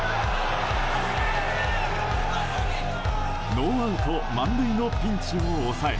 ノーアウト満塁のピンチを抑え